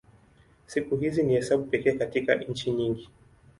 Siku hizi ni hesabu pekee katika nchi nyingi.